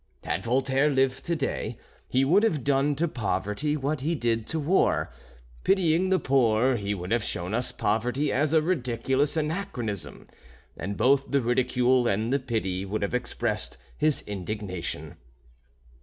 Had Voltaire lived to day he would have done to poverty what he did to war. Pitying the poor, he would have shown us poverty as a ridiculous anachronism, and both the ridicule and the pity would have expressed his indignation.